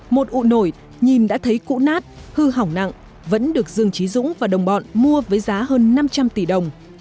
một ụ nổi nhìn đã thấy cũ nát hư hỏng nặng vẫn được dương trí dũng và đồng bọn mua với giá hơn năm trăm linh tỷ đồng